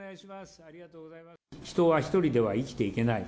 人は一人では生きていけない。